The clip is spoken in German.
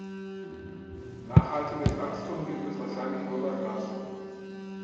Nachhaltiges Wachstum gibt es wahrscheinlich nur bei Pflanzen.